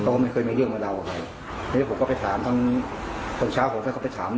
ก็ไม่เคยมีเรื่องกับเราอะไรทีนี้ผมก็ไปถามทั้งตอนเช้าผมให้เขาไปถาม